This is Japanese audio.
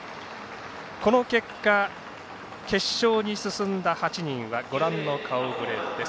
この結果、決勝に進んだ８人はご覧の顔ぶれです。